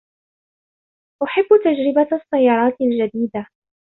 أحب تجربة السيارات الجديدة.